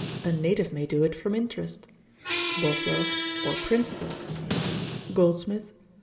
A native may do it from interest.' BOSWELL. 'Or principle.' GOLDSMITH.